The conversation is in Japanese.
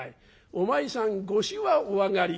「お前さんご酒はお上がりか？」。